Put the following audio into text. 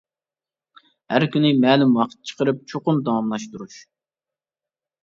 ھەر كۈنى مەلۇم ۋاقىت چىقىرىپ چوقۇم داۋاملاشتۇرۇش.